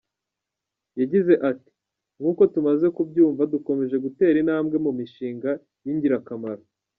Yagize ati “ Nk’uko tumaze kubyumva, dukomeje gutera intambwe mu mishinga y’ingirakamaro.